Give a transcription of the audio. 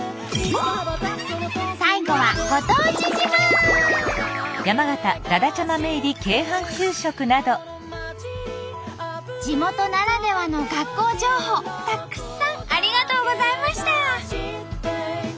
最後は地元ならではの学校情報たくさんありがとうございました！